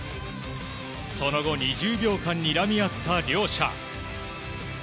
その後、２０秒間にらみ合った両者。